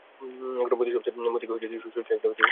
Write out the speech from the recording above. এখনো প্রতি সপ্তাহে মতিকে শশী একটা করিয়া ইনজেকশন দেয়।